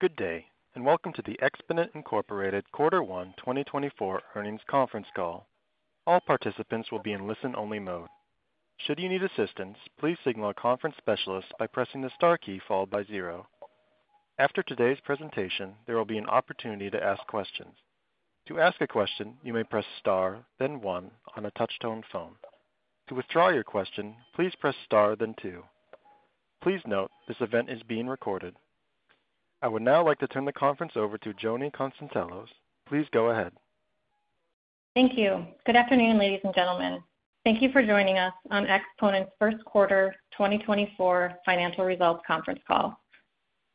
Good day, and welcome to the Exponent Incorporated Quarter One 2024 Earnings Conference Call. All participants will be in listen-only mode. Should you need assistance, please signal a conference specialist by pressing the star key followed by zero. After today's presentation, there will be an opportunity to ask questions. To ask a question, you may press star, then one on a touch-tone phone. To withdraw your question, please press star, then two. Please note, this event is being recorded. I would now like to turn the conference over to Joni Konstantelos. Please go ahead. Thank you. Good afternoon, ladies and gentlemen. Thank you for joining us on Exponent's first quarter 2024 financial results conference call.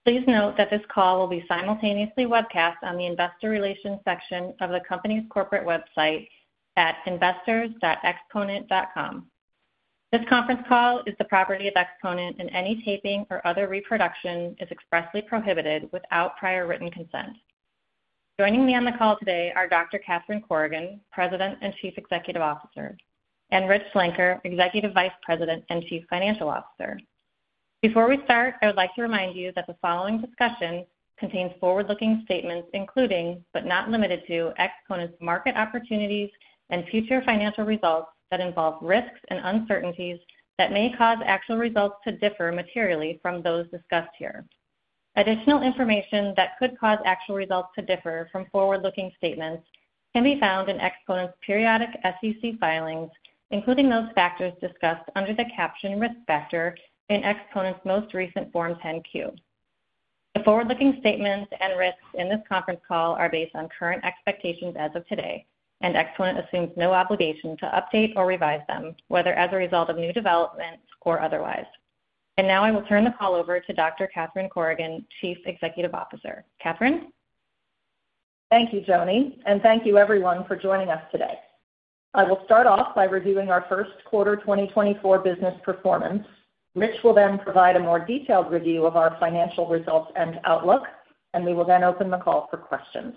Please note that this call will be simultaneously webcast on the Investor Relations section of the company's corporate website at investors.exponent.com. This conference call is the property of Exponent, and any taping or other reproduction is expressly prohibited without prior written consent. Joining me on the call today are Dr. Catherine Corrigan, President and Chief Executive Officer, and Rich Schlenker, Executive Vice President and Chief Financial Officer. Before we start, I would like to remind you that the following discussion contains forward-looking statements, including, but not limited to, Exponent's market opportunities and future financial results, that involve risks and uncertainties that may cause actual results to differ materially from those discussed here. Additional information that could cause actual results to differ from forward-looking statements can be found in Exponent's periodic SEC filings, including those factors discussed under the caption Risk Factor in Exponent's most recent Form 10-Q. The forward-looking statements and risks in this conference call are based on current expectations as of today, and Exponent assumes no obligation to update or revise them, whether as a result of new developments or otherwise. Now I will turn the call over to Dr. Catherine Corrigan, Chief Executive Officer. Catherine? Thank you, Joni, and thank you everyone for joining us today. I will start off by reviewing our first quarter 2024 business performance. Rich will then provide a more detailed review of our financial results and outlook, and we will then open the call for questions.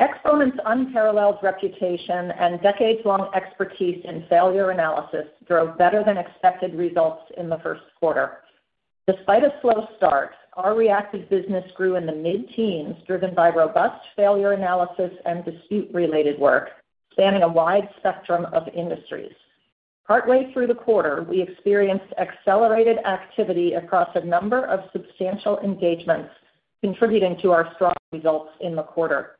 Exponent's unparalleled reputation and decades-long expertise in failure analysis drove better than expected results in the first quarter. Despite a slow start, our reactive business grew in the mid-teens, driven by robust failure analysis and dispute-related work, spanning a wide spectrum of industries. Partway through the quarter, we experienced accelerated activity across a number of substantial engagements, contributing to our strong results in the quarter.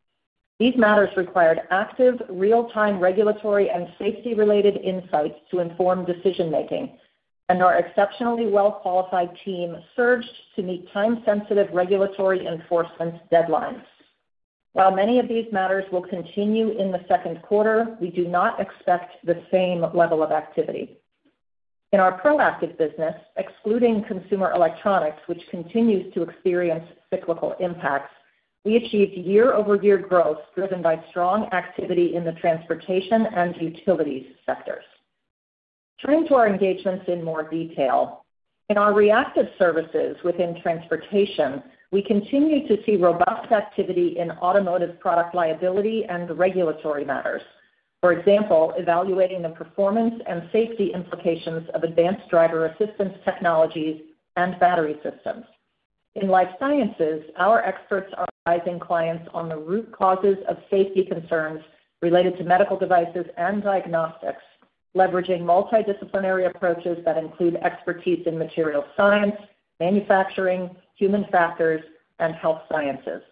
These matters required active, real-time, regulatory and safety-related insights to inform decision-making, and our exceptionally well-qualified team surged to meet time-sensitive regulatory enforcement deadlines. While many of these matters will continue in the second quarter, we do not expect the same level of activity. In our proactive business, excluding consumer electronics, which continues to experience cyclical impacts, we achieved year-over-year growth driven by strong activity in the transportation and utilities sectors. Turning to our engagements in more detail. In our reactive services within transportation, we continue to see robust activity in automotive product liability and regulatory matters. For example, evaluating the performance and safety implications of advanced driver assistance technologies and battery systems. In life sciences, our experts are advising clients on the root causes of safety concerns related to medical devices and diagnostics, leveraging multidisciplinary approaches that include expertise in material science, manufacturing, human factors, and health sciences.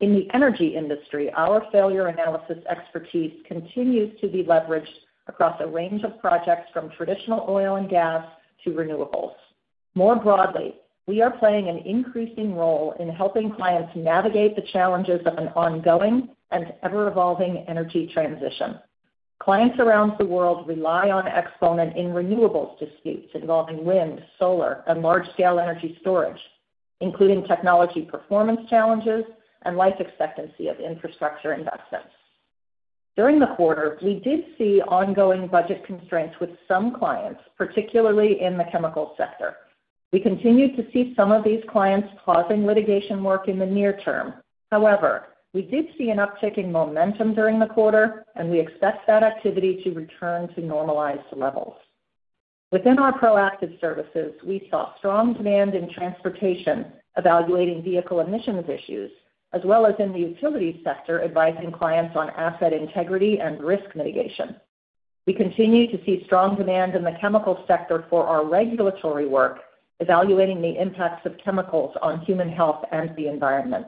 In the energy industry, our failure analysis expertise continues to be leveraged across a range of projects from traditional oil and gas to renewables. More broadly, we are playing an increasing role in helping clients navigate the challenges of an ongoing and ever-evolving energy transition. Clients around the world rely on Exponent in renewables disputes involving wind, solar, and large-scale energy storage, including technology performance challenges and life expectancy of infrastructure investments. During the quarter, we did see ongoing budget constraints with some clients, particularly in the chemical sector. We continued to see some of these clients pausing litigation work in the near term. However, we did see an uptick in momentum during the quarter, and we expect that activity to return to normalized levels. Within our proactive services, we saw strong demand in transportation, evaluating vehicle emissions issues, as well as in the utilities sector, advising clients on asset integrity and risk mitigation. We continue to see strong demand in the chemical sector for our regulatory work, evaluating the impacts of chemicals on human health and the environment.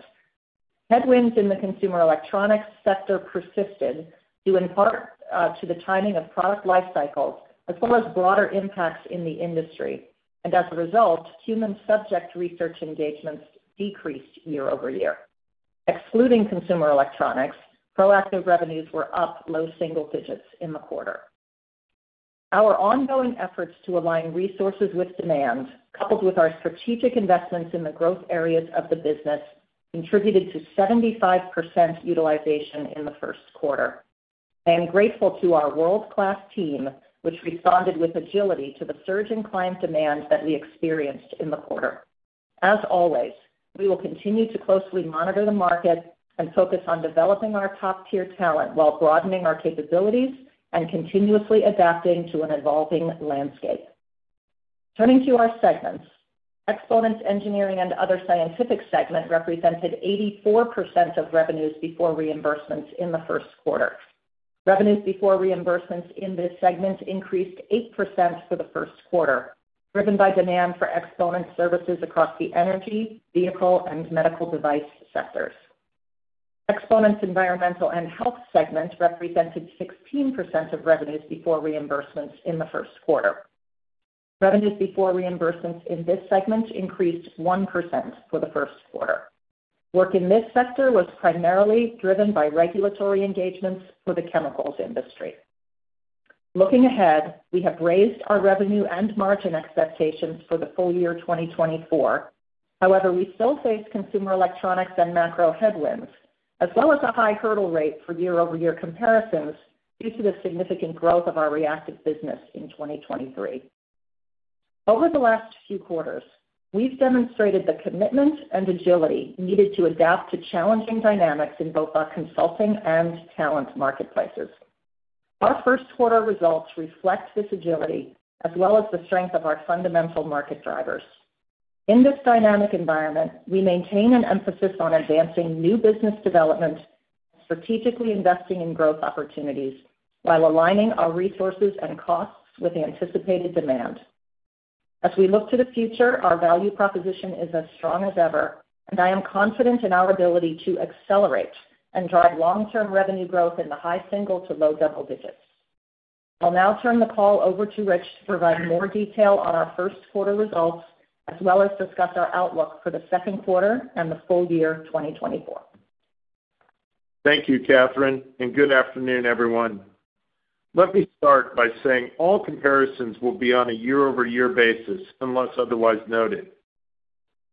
Headwinds in the consumer electronics sector persisted due in part to the timing of product life cycles, as well as broader impacts in the industry, and as a result, human subject research engagements decreased year-over-year. Excluding consumer electronics, proactive revenues were up low single digits in the quarter. Our ongoing efforts to align resources with demand, coupled with our strategic investments in the growth areas of the business, contributed to 75% utilization in the first quarter. I am grateful to our world-class team, which responded with agility to the surge in client demand that we experienced in the quarter. As always, we will continue to closely monitor the market and focus on developing our top-tier talent while broadening our capabilities and continuously adapting to an evolving landscape. Turning to our segments. Exponent's Engineering and Other Scientific segment represented 84% of revenues before reimbursements in the first quarter. Revenues before reimbursements in this segment increased 8% for the first quarter, driven by demand for Exponent services across the energy, vehicle, and medical device sectors. Exponent's Environmental and Health segment represented 16% of revenues before reimbursements in the first quarter. Revenues before reimbursements in this segment increased 1% for the first quarter. Work in this sector was primarily driven by regulatory engagements for the chemicals industry. Looking ahead, we have raised our revenue and margin expectations for the full year 2024. However, we still face consumer electronics and macro headwinds, as well as a high hurdle rate for year-over-year comparisons due to the significant growth of our reactive business in 2023. Over the last few quarters, we've demonstrated the commitment and agility needed to adapt to challenging dynamics in both our consulting and talent marketplaces. Our first quarter results reflect this agility, as well as the strength of our fundamental market drivers. In this dynamic environment, we maintain an emphasis on advancing new business development, strategically investing in growth opportunities, while aligning our resources and costs with anticipated demand. As we look to the future, our value proposition is as strong as ever, and I am confident in our ability to accelerate and drive long-term revenue growth in the high single to low double digits. I'll now turn the call over to Rich to provide more detail on our first quarter results, as well as discuss our outlook for the second quarter and the full year 2024. Thank you, Catherine, and good afternoon, everyone. Let me start by saying all comparisons will be on a year-over-year basis, unless otherwise noted.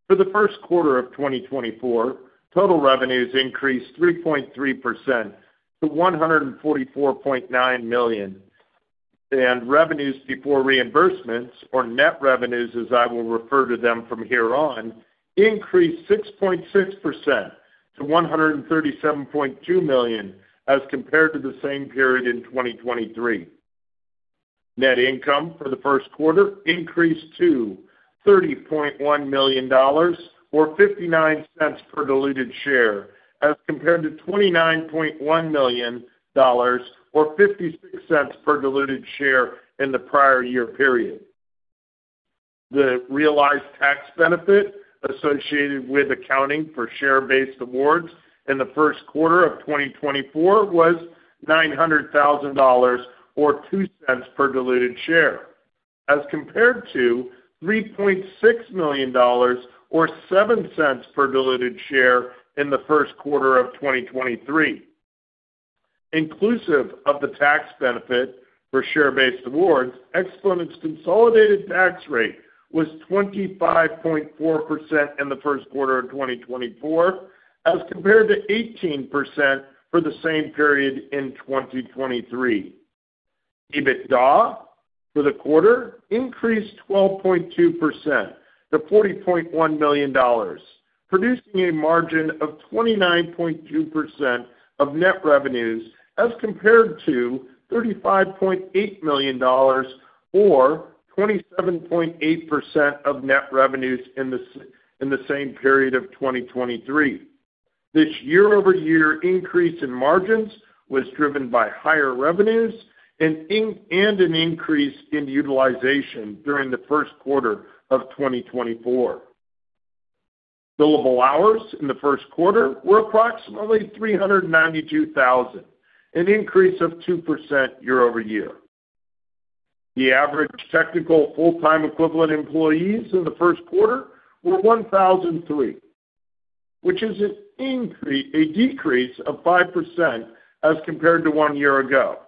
For the first quarter of 2024, total revenues increased 3.3% to $144.9 million, and revenues before reimbursements, or net revenues, as I will refer to them from here on, increased 6.6% to $137.2 million, as compared to the same period in 2023. Net income for the first quarter increased to $30.1 million, or $0.59 per diluted share, as compared to $29.1 million, or $0.56 per diluted share in the prior year period. The realized tax benefit associated with accounting for share-based awards in the first quarter of 2024 was $900,000, or $0.02 per diluted share, as compared to $3.6 million, or $0.07 per diluted share in the first quarter of 2023. Inclusive of the tax benefit for share-based awards, Exponent's consolidated tax rate was 25.4% in the first quarter of 2024, as compared to 18% for the same period in 2023. EBITDA for the quarter increased 12.2% to $40.1 million, producing a margin of 29.2% of net revenues, as compared to $35.8 million or 27.8% of net revenues in the same period of 2023. This year-over-year increase in margins was driven by higher revenues and an increase in utilization during the first quarter of 2024. Billable hours in the first quarter were approximately 392,000, an increase of 2% year-over-year. The average technical full-time equivalent employees in the first quarter were 1,003, which is a decrease of 5% as compared to one year ago.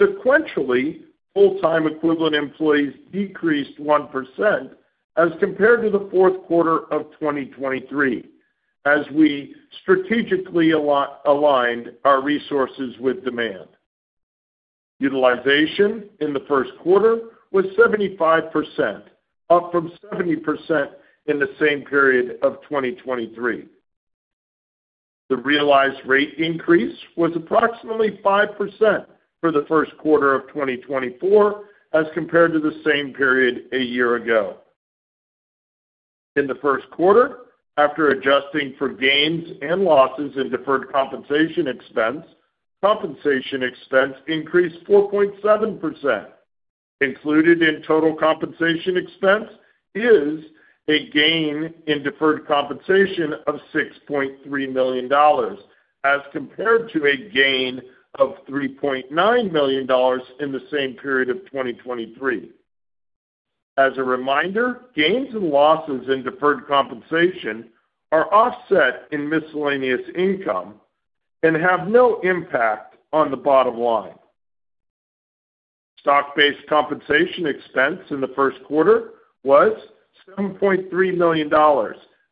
Sequentially, full-time equivalent employees decreased 1% as compared to the fourth quarter of 2023, as we strategically align our resources with demand. Utilization in the first quarter was 75%, up from 70% in the same period of 2023. The realized rate increase was approximately 5% for the first quarter of 2024 as compared to the same period a year ago. In the first quarter, after adjusting for gains and losses in deferred compensation expense, compensation expense increased 4.7%. Included in total compensation expense is a gain in deferred compensation of $6.3 million, as compared to a gain of $3.9 million in the same period of 2023. As a reminder, gains and losses in deferred compensation are offset in miscellaneous income and have no impact on the bottom line. Stock-based compensation expense in the first quarter was $7.3 million,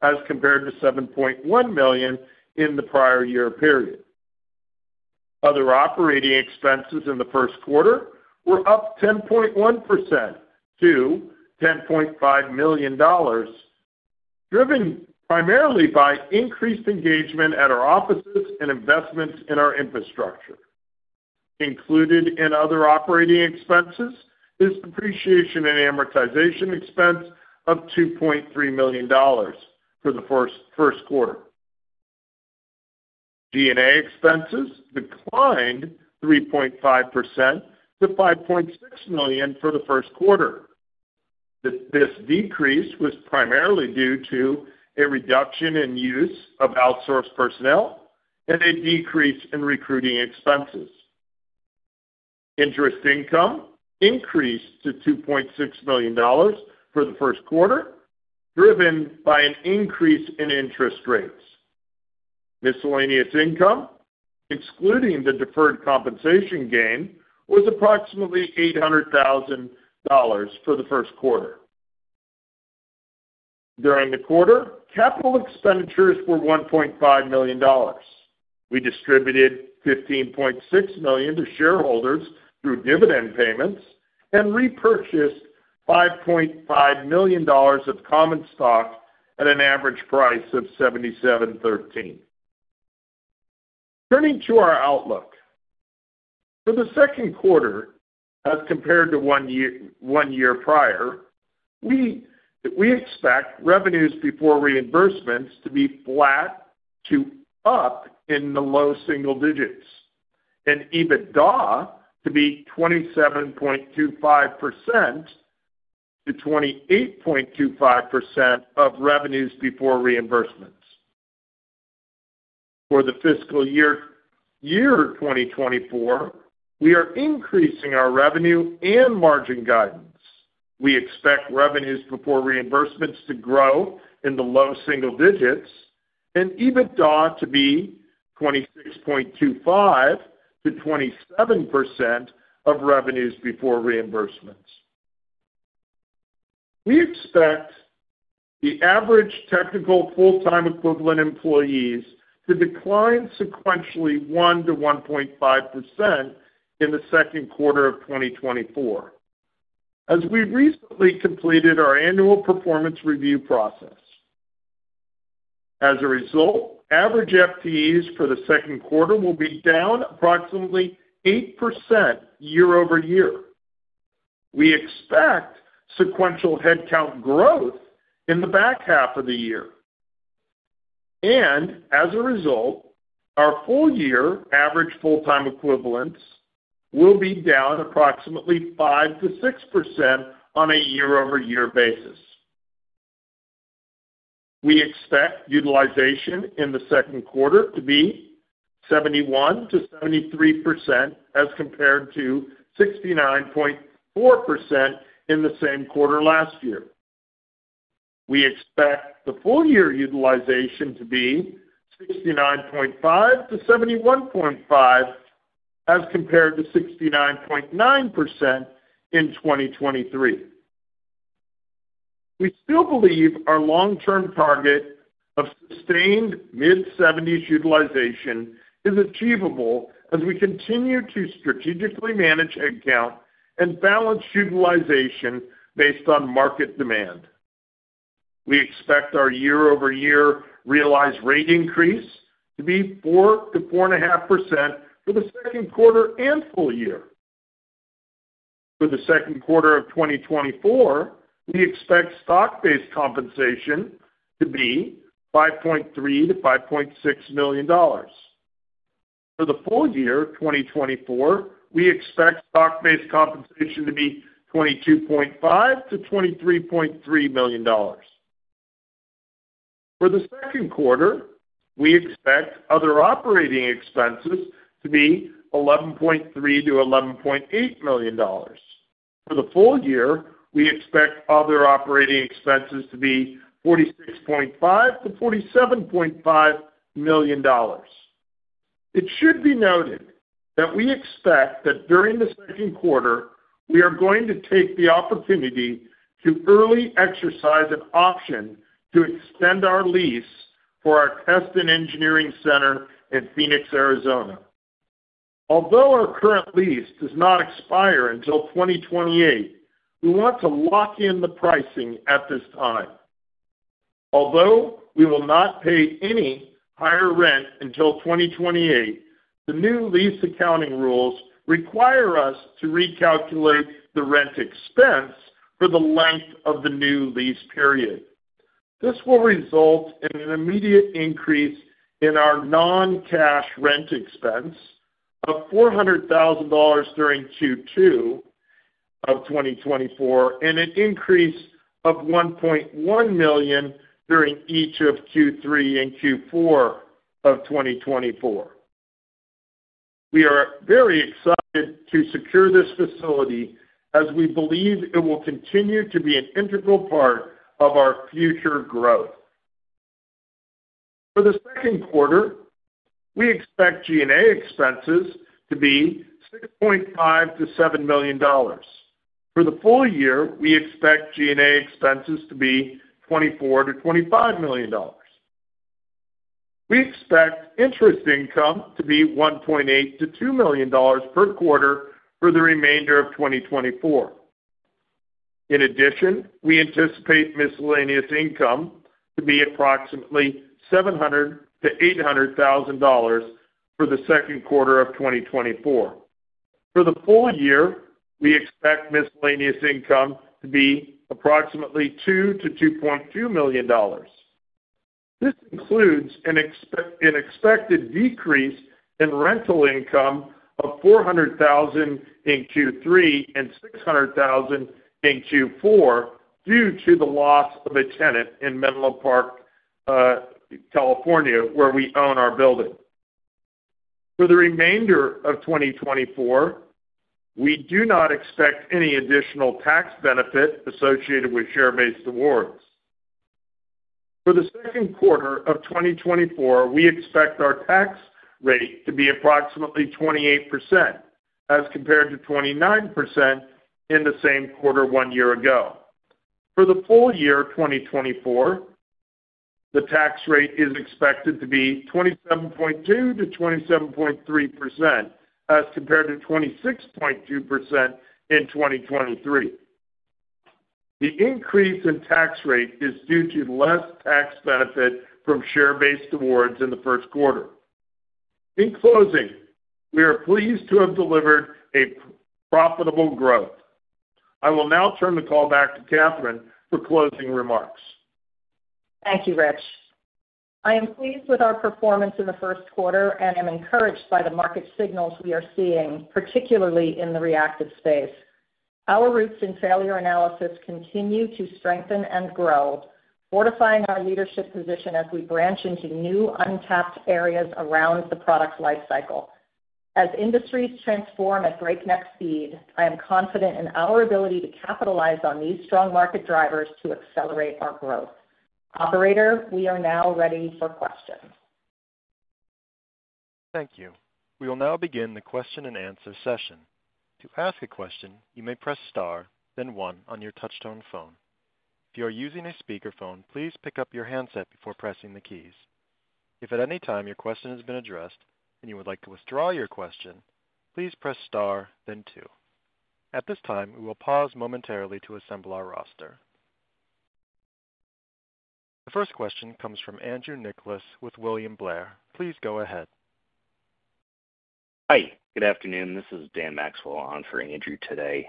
as compared to $7.1 million in the prior year period. Other operating expenses in the first quarter were up 10.1% to $10.5 million, driven primarily by increased engagement at our offices and investments in our infrastructure.... Included in other operating expenses is depreciation and amortization expense of $2.3 million for the first quarter. G&A expenses declined 3.5% to $5.6 million for the first quarter. This decrease was primarily due to a reduction in use of outsourced personnel and a decrease in recruiting expenses. Interest income increased to $2.6 million for the first quarter, driven by an increase in interest rates. Miscellaneous income, excluding the deferred compensation gain, was approximately $800,000 for the first quarter. During the quarter, capital expenditures were $1.5 million. We distributed $15.6 million to shareholders through dividend payments and repurchased $5.5 million of common stock at an average price of $77.13. Turning to our outlook. For the second quarter, as compared to one year prior, we expect revenues before reimbursements to be flat to up in the low single digits, and EBITDA to be 27.25%-28.25% of revenues before reimbursements. For the fiscal year 2024, we are increasing our revenue and margin guidance. We expect revenues before reimbursements to grow in the low single digits and EBITDA to be 26.25%-27% of revenues before reimbursements. We expect the average technical full-time equivalent employees to decline sequentially 1%-1.5% in the second quarter of 2024, as we recently completed our annual performance review process. As a result, average FTEs for the second quarter will be down approximately 8% year-over-year. We expect sequential headcount growth in the back half of the year, and as a result, our full year average full-time equivalents will be down approximately 5%-6% on a year-over-year basis. We expect utilization in the second quarter to be 71%-73% as compared to 69.4% in the same quarter last year. We expect the full year utilization to be 69.5%-71.5%, as compared to 69.9% in 2023. We still believe our long-term target of sustained mid-70s utilization is achievable as we continue to strategically manage headcount and balance utilization based on market demand. We expect our year-over-year realized rate increase to be 4%-4.5% for the second quarter and full year. For the second quarter of 2024, we expect stock-based compensation to be $5.3 million-$5.6 million. For the full year of 2024, we expect stock-based compensation to be $22.5 million-$23.3 million. For the second quarter, we expect other operating expenses to be $11.3 million-$11.8 million. For the full year, we expect other operating expenses to be $46.5 million-$47.5 million. It should be noted that we expect that during the second quarter, we are going to take the opportunity to early exercise an option to extend our lease for our test and engineering center in Phoenix, Arizona. Although our current lease does not expire until 2028, we want to lock in the pricing at this time. Although we will not pay any higher rent until 2028, the new lease accounting rules require us to recalculate the rent expense for the length of the new lease period. This will result in an immediate increase in our non-cash rent expense of $400,000 during Q2 of 2024, and an increase of $1.1 million during each of Q3 and Q4 of 2024. We are very excited to secure this facility, as we believe it will continue to be an integral part of our future growth. For the second quarter, we expect G&A expenses to be $6.5 million-$7 million. For the full year, we expect G&A expenses to be $24 million-$25 million. We expect interest income to be $1.8 million-$2 million per quarter for the remainder of 2024. In addition, we anticipate miscellaneous income to be approximately $700,000-$800,000 for the second quarter of 2024. For the full year, we expect miscellaneous income to be approximately $2 million-$2.2 million. This includes an expected decrease in rental income of $400,000 in Q3 and $600,000 in Q4, due to the loss of a tenant in Menlo Park, California, where we own our building. For the remainder of 2024, we do not expect any additional tax benefit associated with share-based awards. For the second quarter of 2024, we expect our tax rate to be approximately 28%, as compared to 29% in the same quarter one year ago. For the full year of 2024, the tax rate is expected to be 27.2%-27.3%, as compared to 26.2% in 2023. The increase in tax rate is due to less tax benefit from share-based awards in the first quarter. In closing, we are pleased to have delivered a profitable growth. I will now turn the call back to Catherine for closing remarks. Thank you, Rich. I am pleased with our performance in the first quarter, and am encouraged by the market signals we are seeing, particularly in the reactive space. Our roots in failure analysis continue to strengthen and grow, fortifying our leadership position as we branch into new, untapped areas around the product's life cycle. As industries transform at breakneck speed, I am confident in our ability to capitalize on these strong market drivers to accelerate our growth. Operator, we are now ready for questions. Thank you. We will now begin the question-and-answer session. To ask a question, you may press star, then one on your touchtone phone. If you are using a speakerphone, please pick up your handset before pressing the keys. If at any time your question has been addressed and you would like to withdraw your question, please press star, then two. At this time, we will pause momentarily to assemble our roster. The first question comes from Andrew Nicholas with William Blair. Please go ahead. Hi, good afternoon. This is Dan Maxwell on for Andrew today.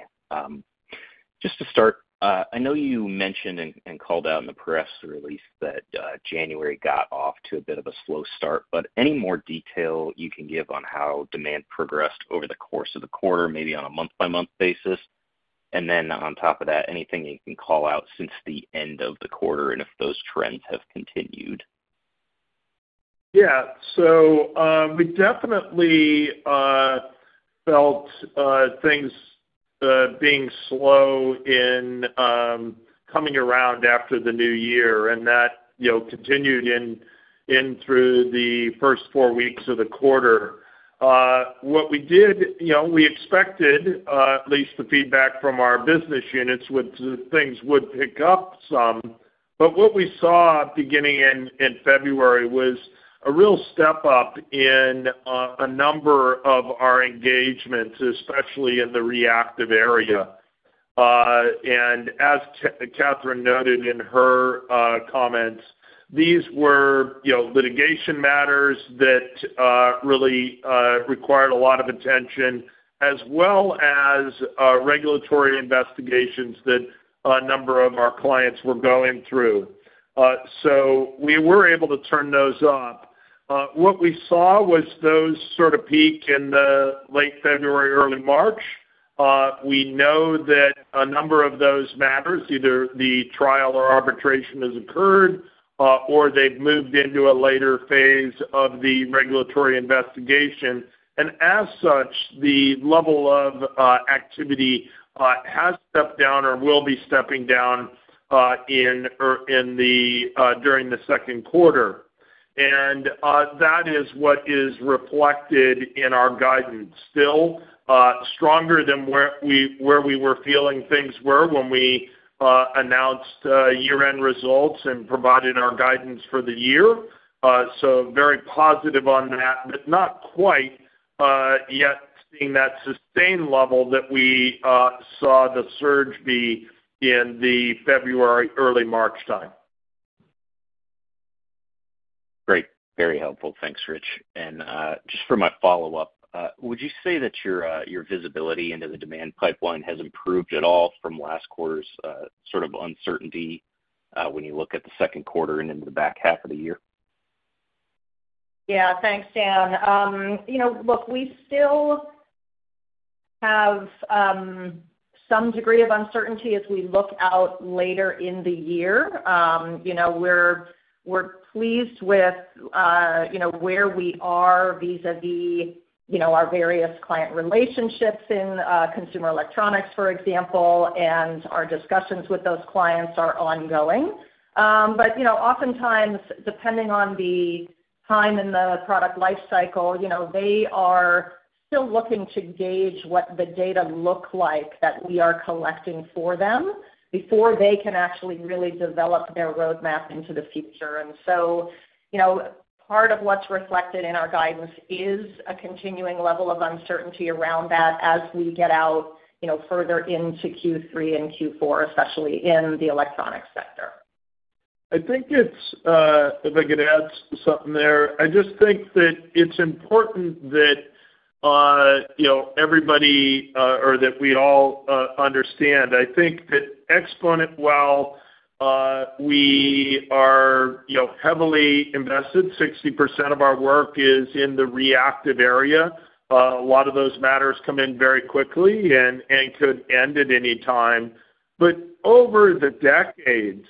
Just to start, I know you mentioned and called out in the press release that January got off to a bit of a slow start, but any more detail you can give on how demand progressed over the course of the quarter, maybe on a month-by-month basis? And then on top of that, anything you can call out since the end of the quarter, and if those trends have continued? Yeah. So, we definitely felt things being slow in coming around after the new year, and that, you know, continued in through the first four weeks of the quarter. What we did, you know, we expected at least the feedback from our business units with things would pick up some. But what we saw beginning in February was a real step-up in a number of our engagements, especially in the reactive area. And as Catherine noted in her comments, these were, you know, litigation matters that really required a lot of attention, as well as regulatory investigations that a number of our clients were going through. So we were able to turn those up. What we saw was those sort of peaked in the late February, early March. We know that a number of those matters, either the trial or arbitration has occurred, or they've moved into a later phase of the regulatory investigation. And as such, the level of activity has stepped down or will be stepping down, in or during the second quarter. And that is what is reflected in our guidance. Still stronger than where we were feeling things were when we announced year-end results and provided our guidance for the year. So very positive on that, but not quite yet seeing that sustained level that we saw the surge be in the February, early March time. Great. Very helpful. Thanks, Rich. Just for my follow-up, would you say that your your visibility into the demand pipeline has improved at all from last quarter's sort of uncertainty when you look at the second quarter and into the back half of the year? Yeah. Thanks, Dan. You know, look, we still have some degree of uncertainty as we look out later in the year. You know, we're pleased with where we are vis-a-vis our various client relationships in consumer electronics, for example, and our discussions with those clients are ongoing. But you know, oftentimes, depending on the time in the product life cycle, you know, they are still looking to gauge what the data look like that we are collecting for them, before they can actually really develop their roadmap into the future. And so, you know, part of what's reflected in our guidance is a continuing level of uncertainty around that as we get out further into Q3 and Q4, especially in the electronics sector. I think it's, if I could add something there, I just think that it's important that, you know, everybody, or that we all, understand. I think that Exponent, while we are, you know, heavily invested, 60% of our work is in the reactive area. A lot of those matters come in very quickly and could end at any time. But over the decades,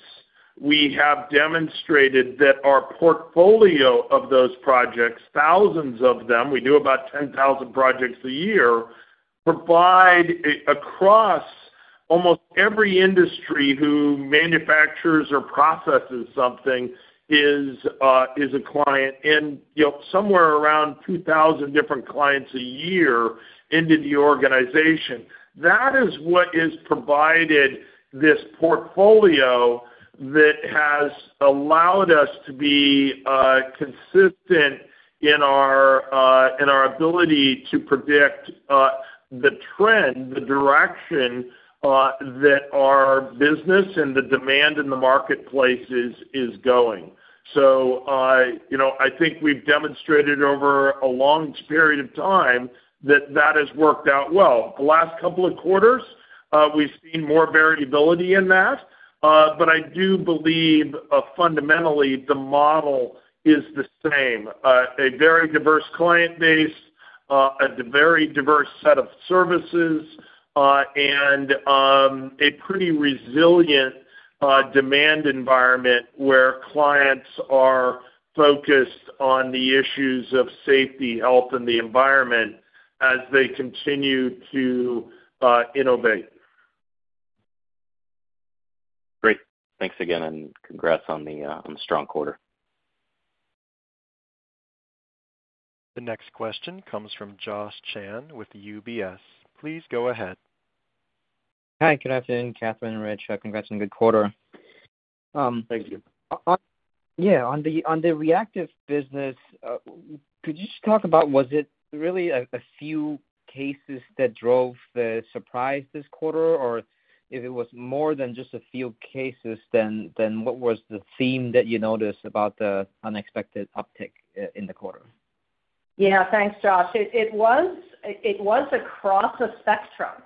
we have demonstrated that our portfolio of those projects, thousands of them, we do about 10,000 projects a year, provide across almost every industry who manufactures or processes something is a client, and, you know, somewhere around 2,000 different clients a year into the organization. That is what has provided this portfolio that has allowed us to be consistent in our, in our ability to predict the trend, the direction that our business and the demand in the marketplace is, is going. So I, you know, I think we've demonstrated over a long period of time that that has worked out well. The last couple of quarters, we've seen more variability in that, but I do believe, fundamentally, the model is the same. A very diverse client base, a very diverse set of services, and a pretty resilient demand environment where clients are focused on the issues of safety, health, and the environment as they continue to innovate. Great. Thanks again, and congrats on the strong quarter. The next question comes from Josh Chan with UBS. Please go ahead. Hi, good afternoon, Catherine and Richard. Congrats on a good quarter. Thank you. On the reactive business, could you just talk about was it really a few cases that drove the surprise this quarter, or if it was more than just a few cases, then what was the theme that you noticed about the unexpected uptick in the quarter? Yeah, thanks, Josh. It was across a spectrum.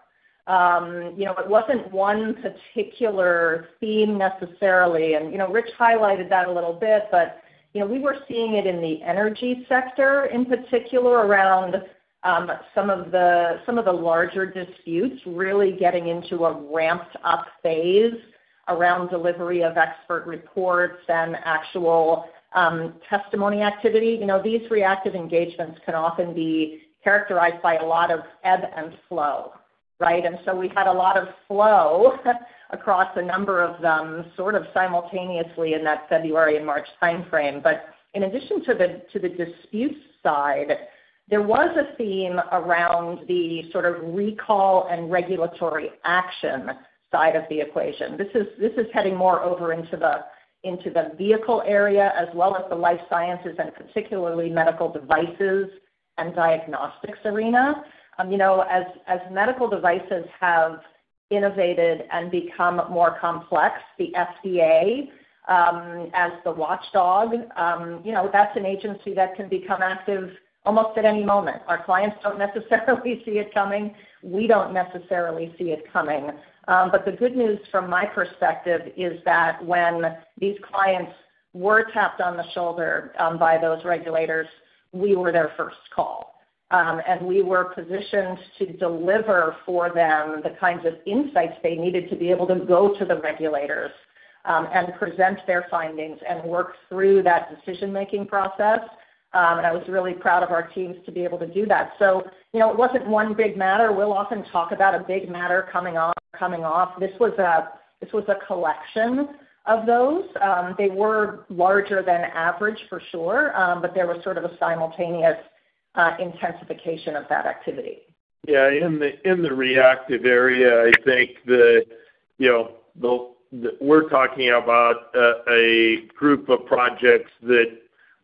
You know, it wasn't one particular theme necessarily, and, you know, Rich highlighted that a little bit, but, you know, we were seeing it in the energy sector, in particular, around some of the larger disputes really getting into a ramped-up phase around delivery of expert reports and actual testimony activity. You know, these reactive engagements can often be characterized by a lot of ebb and flow, right? And so we had a lot of flow across a number of them, sort of simultaneously in that February and March timeframe. But in addition to the dispute side, there was a theme around the sort of recall and regulatory action side of the equation. This is heading more over into the vehicle area, as well as the life sciences, and particularly medical devices and diagnostics arena. You know, as medical devices have innovated and become more complex, the FDA, as the watchdog, you know, that's an agency that can become active almost at any moment. Our clients don't necessarily see it coming. We don't necessarily see it coming. But the good news from my perspective is that when these clients were tapped on the shoulder by those regulators, we were their first call. And we were positioned to deliver for them the kinds of insights they needed to be able to go to the regulators and present their findings and work through that decision-making process. And I was really proud of our teams to be able to do that. So, you know, it wasn't one big matter. We'll often talk about a big matter coming off, coming off. This was a, this was a collection of those. They were larger than average, for sure, but there was sort of a simultaneous intensification of that activity. Yeah, in the reactive area, I think, you know, we're talking about a group of projects that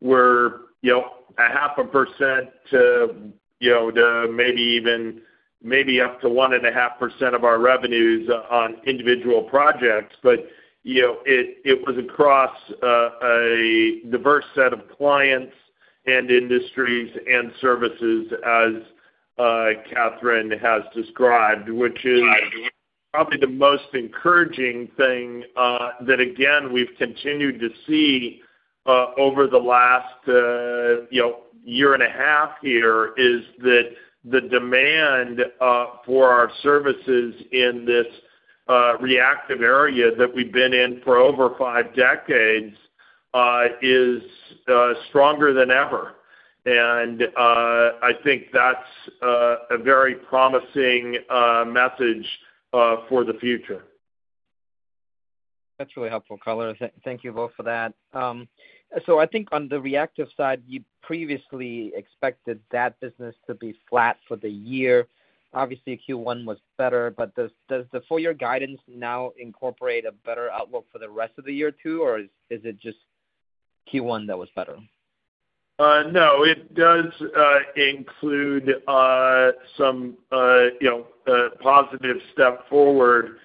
were, you know, 0.5% to, you know, to maybe even, maybe 1.5% of our revenues on individual projects. But, you know, it was across a diverse set of clients and industries and services as Catherine has described, which is probably the most encouraging thing that again, we've continued to see over the last, you know, year and a half here, is that the demand for our services in this reactive area that we've been in for over five decades is stronger than ever. And I think that's a very promising message for the future. That's really helpful color. Thank you both for that. So I think on the reactive side, you previously expected that business to be flat for the year. Obviously, Q1 was better, but does the full year guidance now incorporate a better outlook for the rest of the year, too, or is it just Q1 that was better? No, it does, include, some, you know, a positive step forward,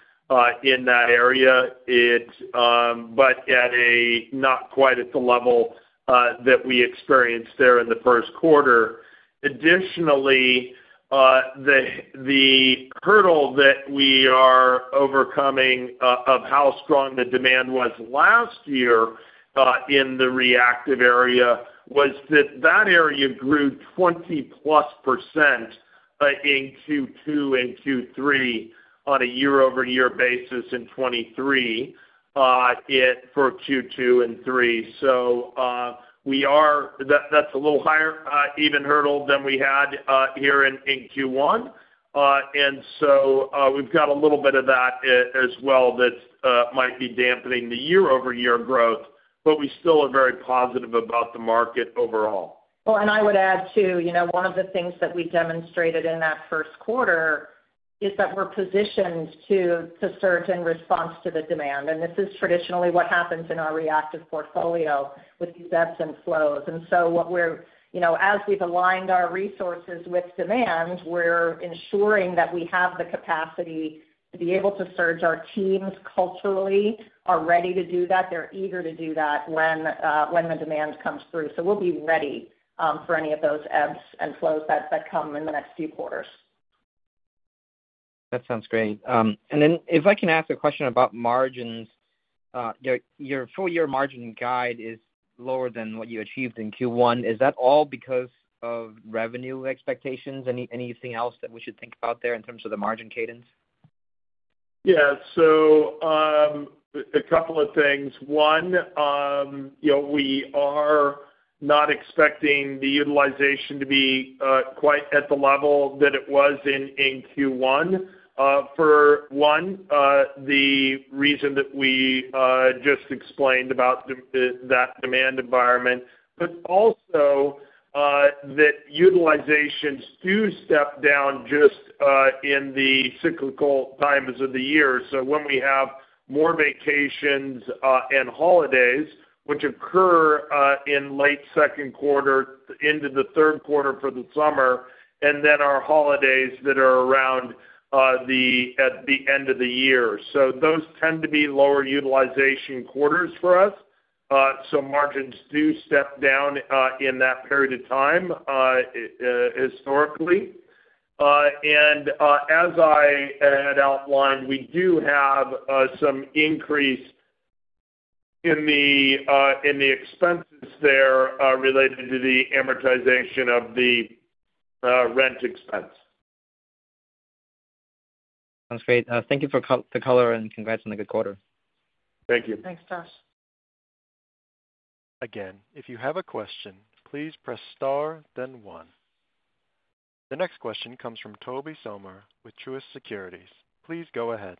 in that area. It, but at a not quite at the level, that we experienced there in the first quarter. Additionally, the, the hurdle that we are overcoming, of how strong the demand was last year, in the reactive area, was that that area grew 20%+, in Q2 and Q3 on a year-over-year basis in 2023, it for Q2 and Q3. So, we are- that's a little higher, even hurdle than we had, here in Q1. And so, we've got a little bit of that as well, that, might be dampening the year-over-year growth, but we still are very positive about the market overall. Well, and I would add, too, you know, one of the things that we demonstrated in that first quarter is that we're positioned to surge in response to the demand. This is traditionally what happens in our reactive portfolio with these ebbs and flows. So what we're, you know, as we've aligned our resources with demand, we're ensuring that we have the capacity to be able to surge. Our teams culturally are ready to do that. They're eager to do that when the demand comes through. So we'll be ready for any of those ebbs and flows that come in the next few quarters. That sounds great. And then if I can ask a question about margins. Your full year margin guide is lower than what you achieved in Q1. Is that all because of revenue expectations? Anything else that we should think about there in terms of the margin cadence? Yeah. So, a couple of things. One, you know, we are not expecting the utilization to be quite at the level that it was in Q1. For one, the reason that we just explained about the demand environment, but also, that utilizations do step down just in the cyclical times of the year. So when we have more vacations and holidays, which occur in late second quarter into the third quarter for the summer, and then our holidays that are around the end of the year. So those tend to be lower utilization quarters for us. So margins do step down in that period of time historically. And, as I had outlined, we do have some increase in the expenses there, related to the amortization of the rent expense. Sounds great. Thank you for the color, and congrats on a good quarter. Thank you. Thanks, Josh. Again, if you have a question, please press star, then one. The next question comes from Tobey Sommer with Truist Securities. Please go ahead.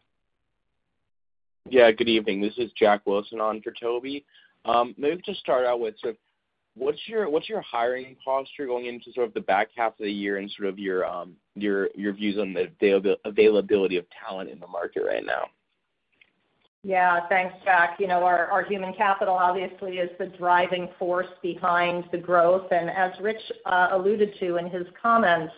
Yeah, good evening. This is Jack Wilson on for Tobey. Maybe to start out with, so what's your hiring posture going into sort of the back half of the year and sort of your views on the availability of talent in the market right now? Yeah. Thanks, Jack. You know, our human capital obviously is the driving force behind the growth. And as Rich alluded to in his comments,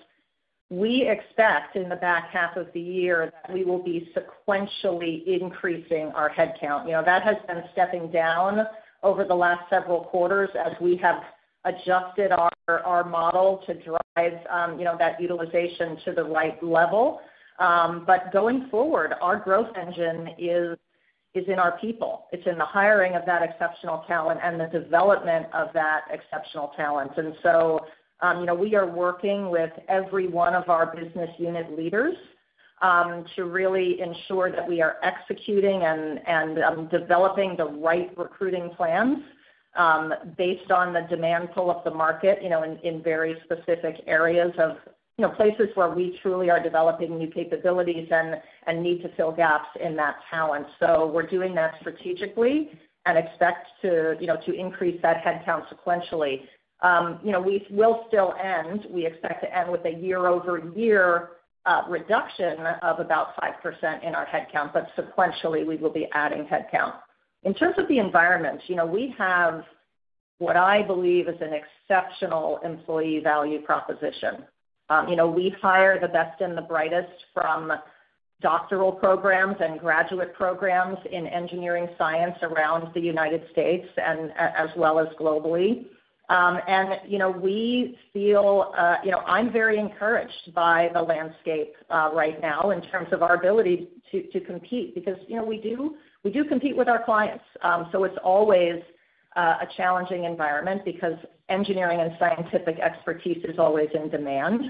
we expect in the back half of the year that we will be sequentially increasing our headcount. You know, that has been stepping down over the last several quarters as we have adjusted our model to drive, you know, that utilization to the right level. But going forward, our growth engine is in our people. It's in the hiring of that exceptional talent and the development of that exceptional talent. You know, we are working with every one of our business unit leaders to really ensure that we are executing and developing the right recruiting plans based on the demand pull of the market, you know, in very specific areas of, you know, places where we truly are developing new capabilities and need to fill gaps in that talent. So we're doing that strategically and expect to, you know, to increase that headcount sequentially. You know, we will still end, we expect to end with a year-over-year reduction of about 5% in our headcount, but sequentially, we will be adding headcount. In terms of the environment, you know, we have what I believe is an exceptional employee value proposition. You know, we hire the best and the brightest from doctoral programs and graduate programs in engineering science around the United States and as well as globally. And, you know, we feel, you know, I'm very encouraged by the landscape right now in terms of our ability to compete because, you know, we do, we do compete with our clients. So it's always a challenging environment because engineering and scientific expertise is always in demand.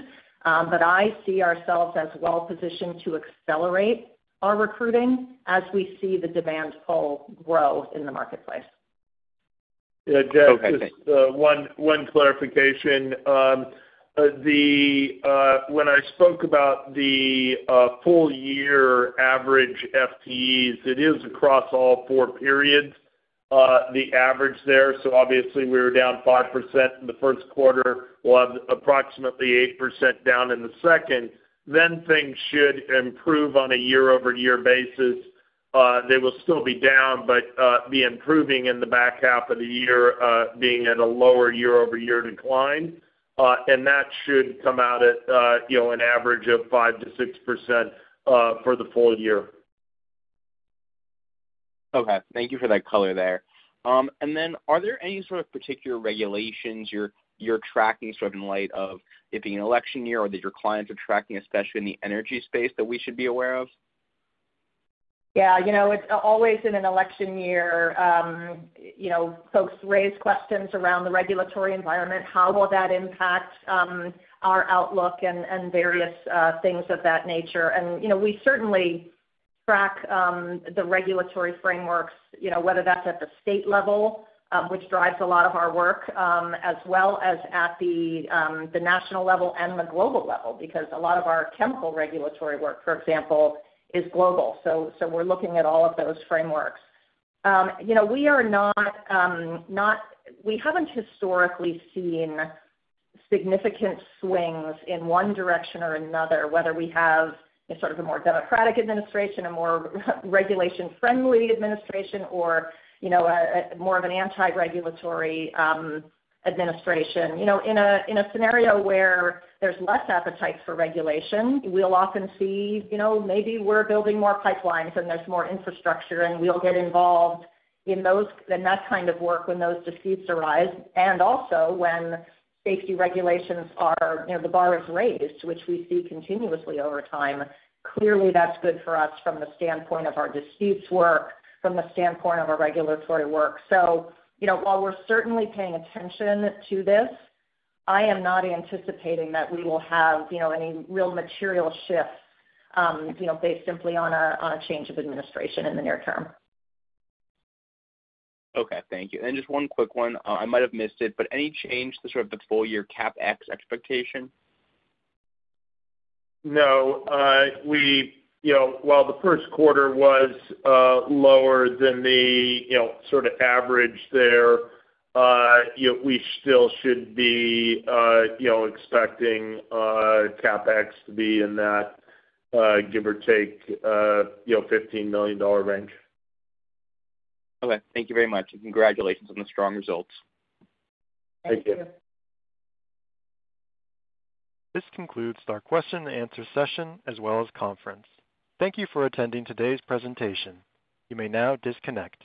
But I see ourselves as well positioned to accelerate our recruiting as we see the demand pull grow in the marketplace. Yeah, Jack, just one clarification. The when I spoke about the full year average FTEs, it is across all four periods, the average there. So obviously, we were down 5% in the first quarter, we'll have approximately 8% down in the second, then things should improve on a year-over-year basis. They will still be down, but be improving in the back half of the year, being at a lower year-over-year decline. And that should come out at, you know, an average of 5%-6%, for the full year. Okay. Thank you for that color there. And then, are there any sort of particular regulations you're tracking, sort of in light of it being an election year, or that your clients are tracking, especially in the energy space, that we should be aware of? Yeah, you know, it's always in an election year, you know, folks raise questions around the regulatory environment. How will that impact our outlook and, and various things of that nature? And, you know, we certainly track the regulatory frameworks, you know, whether that's at the state level, which drives a lot of our work, as well as at the national level and the global level, because a lot of our chemical regulatory work, for example, is global. So, so we're looking at all of those frameworks. You know, we are not. We haven't historically seen significant swings in one direction or another, whether we have a sort of a more democratic administration, a more regulation-friendly administration, or, you know, a, a more of an anti-regulatory administration. You know, in a scenario where there's less appetite for regulation, we'll often see, you know, maybe we're building more pipelines and there's more infrastructure, and we'll get involved in those in that kind of work when those disputes arise. And also, when safety regulations are, you know, the bar is raised, which we see continuously over time. Clearly, that's good for us from the standpoint of our disputes work, from the standpoint of our regulatory work. So, you know, while we're certainly paying attention to this, I am not anticipating that we will have, you know, any real material shifts, you know, based simply on a change of administration in the near term. Okay. Thank you. And just one quick one. I might have missed it, but any change to sort of the full year CapEx expectation? No. You know, while the first quarter was lower than the, you know, sort of average there, we still should be, you know, expecting CapEx to be in that give or take, you know, $15 million range. Okay, thank you very much, and congratulations on the strong results. Thank you. Thank you. This concludes our question and answer session, as well as conference. Thank you for attending today's presentation. You may now disconnect.